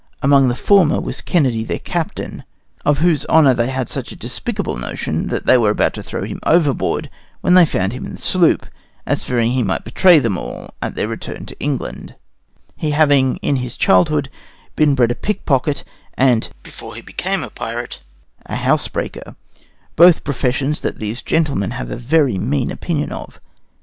Among the former was Kennedy, their captain, of whose honor they had such a despicable notion that they were about to throw him overboard when they found him in the sloop, as fearing he might betray them all at their return to England; he having in his childhood been bred a pick pocket, and before he became a pirate a house breaker; both professions that these gentlemen have a very mean opinion of.